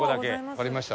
わかりました。